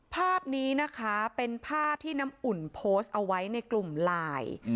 ภาพนี้นะคะเป็นภาพที่น้ำอุ่นโพสต์เอาไว้ในกลุ่มไลน์